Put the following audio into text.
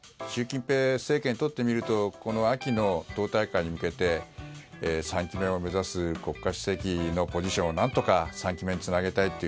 習近平政権にとってみるとこの秋の党大会に向けて３期目を目指す国家主席のポジションを何とか３期目につなげたい。